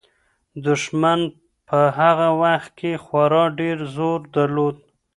دښمن په هغه وخت کې خورا ډېر زور درلود.